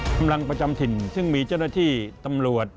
กำลังประจำถิ่นซึ่งมีเจ้าหน้าที่ตำรวจ